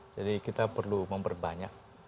jadi kita perlu memperbanyak